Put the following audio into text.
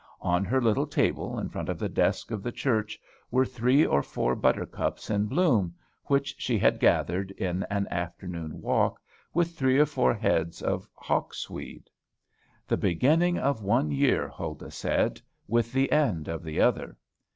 On her little table in front of the desk of the church were three or four buttercups in bloom, which she had gathered in an afternoon walk, with three or four heads of hawksweed. "The beginning of one year," Huldah said, "with the end of the other."